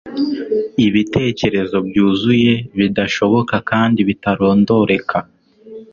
Ibitekerezo byuzuye bidashoboka kandi bitarondoreka